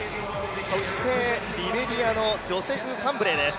そしてリベリアのジョセフ・ファンブレーです。